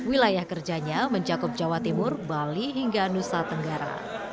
yang selalu berhasil menjalankan perbankan yang terkendali di jawa timur bali hingga nusa tenggara